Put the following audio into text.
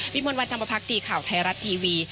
วิมวลวันธรรมพักตีข่าวไทยรัฐทีวี